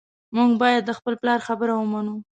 موږ باید د خپل پلار خبره ومنو